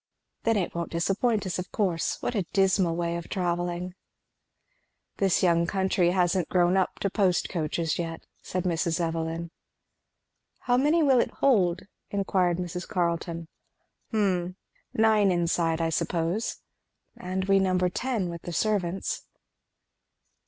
"Then it won't disappoint us, of course. What a dismal way of travelling!" "This young country hasn't grown up to post coaches yet," said Mrs. Evelyn. "How many will it hold?" inquired Mrs. Carleton. "Hum! Nine inside, I suppose." "And we number ten, with the servants.